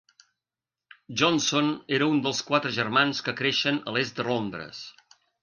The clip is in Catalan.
Johnson era un dels quatre germans que creixen a l'est de Londres.